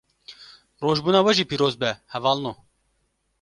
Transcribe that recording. Rojbûna we jî piroz be hevalno